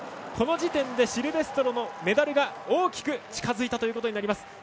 この時点でデシルベストロのメダルが大きく近づいたということになります。